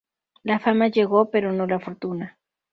La fama llegó, pero no la fortuna.